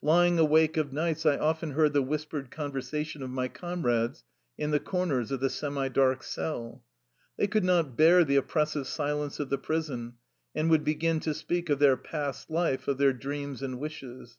Lying awake of nights I often heard the whispered conversation of my comrades in the corners of the semi dark cell. They could not bear the oppressive silence of the prison, and would begin to speak of their past life, of their dreams and wishes.